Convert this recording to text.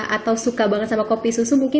atau suka banget sama kopi susu mungkin